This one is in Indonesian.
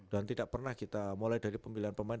dan tidak pernah kita mulai dari pemilihan pemain